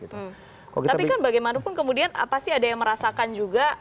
tapi kan bagaimanapun kemudian pasti ada yang merasakan juga